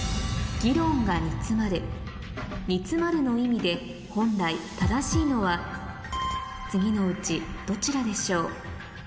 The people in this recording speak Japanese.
「煮詰まる」の意味で本来正しいのは次のうちどちらでしょう？